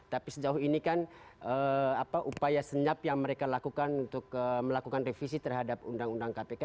tapi sejauh ini kan upaya senyap yang mereka lakukan untuk melakukan revisi terhadap undang undang kpk